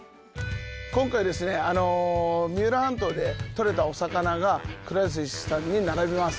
今回ですね三浦半島でとれたお魚がくら寿司さんに並びます。